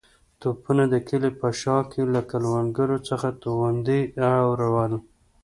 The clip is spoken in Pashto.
توپونو د کلي په شا کې له کروندو څخه توغندي اورول.